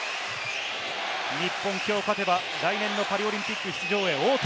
日本、きょう勝てば来年のパリオリンピック出場へ王手。